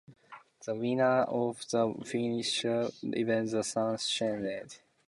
The winner of the final event was Sam Snead.